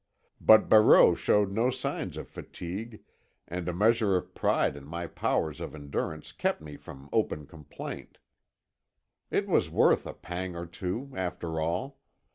But Barreau showed no sign of fatigue, and a measure of pride in my powers of endurance kept me from open complaint. It was worth a pang or two, after all.